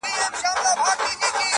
• نه ژغورلو ته دوستان مي سوای راتللای -